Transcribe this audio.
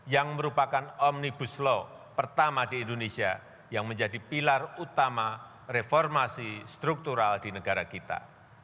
yang merupakan omnibus law pertama di indonesia yang menjadi pilar utama reformasi struktural di negara kita